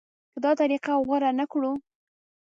که دا طریقه غوره نه کړو.